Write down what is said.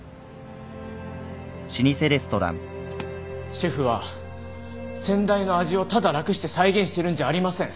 シェフは先代の味をただ楽して再現してるんじゃありません。